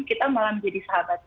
kita malah menjadi sahabat